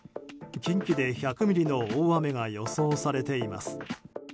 近畿で１００ミリの大雨が予想されています。